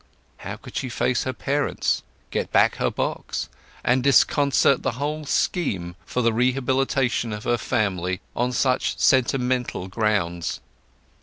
How could she face her parents, get back her box, and disconcert the whole scheme for the rehabilitation of her family on such sentimental grounds?